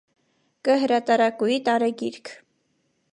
Կը հրատարակուի տարեգիրք։